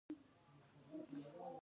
لوټونکی استثمار ډیر لوړ حد ته ورسید.